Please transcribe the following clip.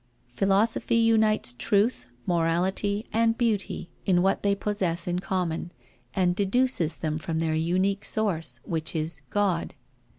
Philosophy unites truth, morality, and beauty, in what they possess in common, and deduces them from their unique Source, which is God.